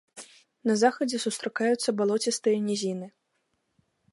На захадзе сустракаюцца балоцістыя нізіны.